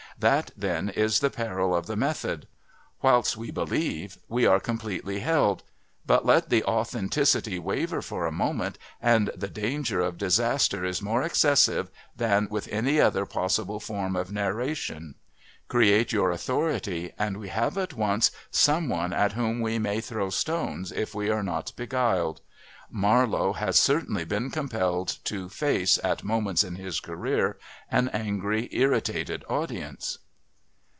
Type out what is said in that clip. That then is the peril of the method. Whilst we believe we are completely held, but let the authenticity waver for a moment and the danger of disaster is more excessive than with any other possible form of narration. Create your authority and we have at once someone at whom we may throw stones if we are not beguiled. Marlowe has certainly been compelled to face, at moments in his career, an angry, irritated audience.